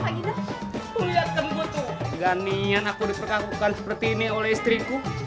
ngak nian aku diperkakukan seperti ini oleh istriku